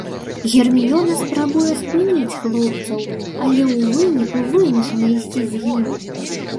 Герміёна спрабуе спыніць хлопцаў, але ў выніку вымушана ісці з імі.